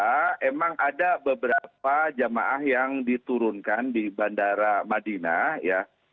memang ada beberapa jemaah yang diturunkan di bandara madinah